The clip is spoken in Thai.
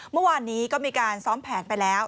เมื่อวานนี้ก็มีการซ้อมแผนไปแล้ว